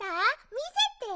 みせて。